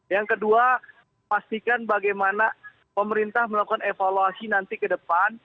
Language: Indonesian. yang kedua pastikan bagaimana pemerintah melakukan evaluasi nanti ke depan